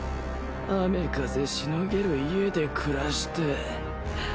雨風しのげる家で暮らして。